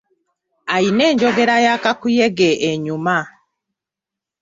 Alina enjogera ya kakuyege enyuma.